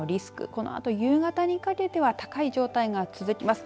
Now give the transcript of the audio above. このあと夕方にかけては高い状態が続きます。